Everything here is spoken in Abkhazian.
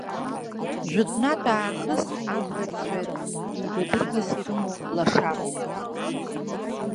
Жәытәнатә аахыс абрагьцәа еибадыргас ирымоу лашароуп.